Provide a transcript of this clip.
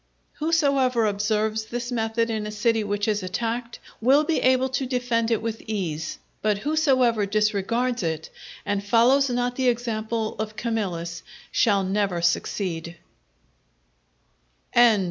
Whosoever observes this method in a city which is attacked, will be able to defend it with ease; but whosoever disregards it, and follows not the example of Camillus, shall never succeed.